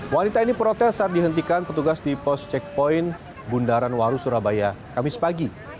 wanita ini protes saat dihentikan petugas di pos checkpoint bundaran waru surabaya kamis pagi